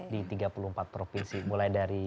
di tiga puluh empat provinsi mulai dari